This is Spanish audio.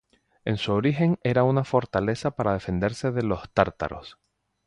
En su origen era una fortaleza para defenderse de los tártaros.